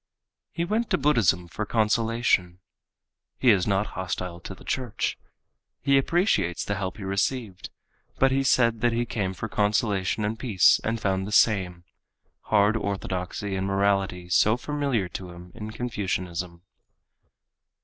He went to Buddhism for consolation. He is not hostile to the church. He appreciates the help he received, but he said that he came for consolation and peace and found the same—hard orthodoxy and morality so familiar to him in Confucianism.